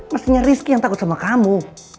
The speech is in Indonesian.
mestinya rizki yang takut sama kamu